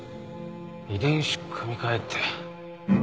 遺伝子組み換えって何の？